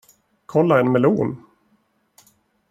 Kolla en melon.